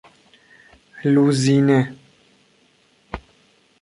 لوزینه